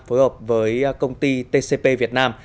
phối hợp với công ty tcp việt nam